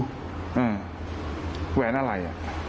อืมแหวนอะไร